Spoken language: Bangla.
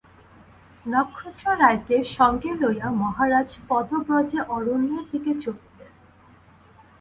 নক্ষত্ররায়কে সঙ্গে লইয়া মহারাজ পদব্রজে অরণ্যের দিকে চলিলেন।